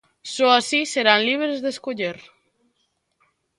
Só así serán libres de escoller.